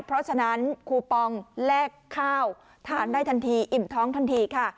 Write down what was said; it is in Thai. เพราะฉะนั้นคูปองแลกข้าวทานได้ทันทีอิ่มท้องทันทีค่ะ